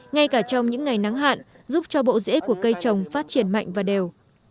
ngay cả trong những ngày nắng hạn giúp cho bộ rễ của cây trồng phát triển mạnh và đều